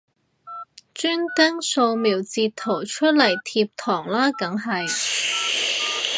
專登掃瞄截圖出嚟貼堂啦梗係